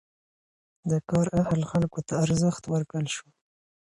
د کار اهل خلکو ته ارزښت ورکړل شو.